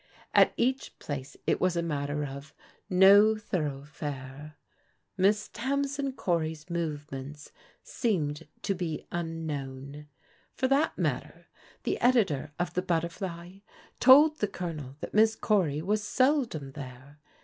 At each place it was a matter of " No thoroughfare." Miss Tamsin Cory's movements seemed to be unknown. For that matter, the editor of The Butterfly told the Colonel that Miss Cory was seldom there.